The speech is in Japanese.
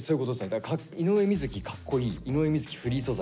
だから「井上瑞稀かっこいい」「井上瑞稀フリー素材」。